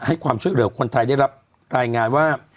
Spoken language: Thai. ความช่วยเหลือคนไทยได้รับรายงานว่า